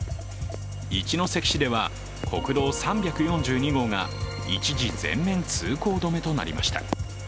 一関市では国道３４２号が一時、全面通行止めとなりました。